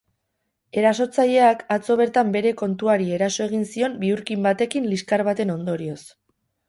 Erasotzaileak atzo bertan bere koinatuari eraso egin zion bihurkin batekin liskar baten ondorioz.